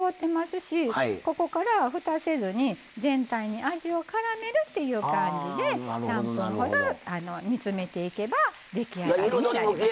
もう、鶏にも火が通ってますし、ここからふたをせずに全体に味をからめるっていう感じで３分ほど煮詰めていけば出来上がりになります。